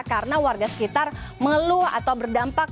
karena warga sekitar melu atau berdampak